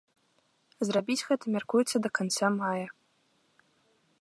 Зрабіць гэта мяркуецца да канца мая.